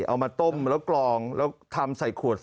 เอามาต้มแล้วกลองแล้วทำใส่ขวด